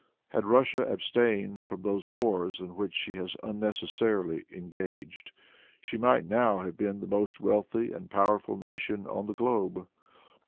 Had Russia abstained from those wars in which she has unnecessarily engaged, she might now have been the most wealthy and powerful nation on the globe.